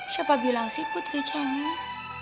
siapa bilang putri cengeng